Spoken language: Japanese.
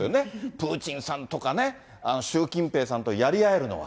プーチンさんとかね、習近平さんとやり合えるのは。